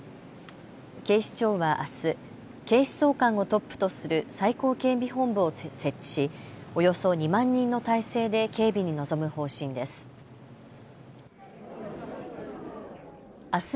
警視庁はあす警視総監をトップとする最高警備本部を設置しおよそ２万人の態勢で警備に臨む方針です。